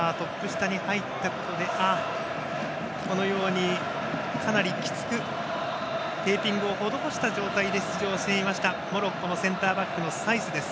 このようにかなりきつくテーピングを施した状態で出場していましたモロッコのセンターバックのサイスです。